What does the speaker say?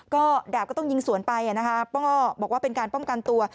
ก็ดาบก็ต้องยิงสวนไปนะคะป้อบอกว่าเป็นการป้องกันตัว